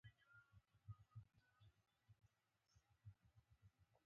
ازبکو شیبانیانو چیرته ژوند کاوه؟